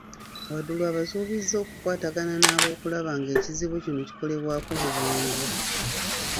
Wadulu abasuubizza okukwatagana n'ab okulaba ng'ekizibu kino kikolebwako mu bwangu.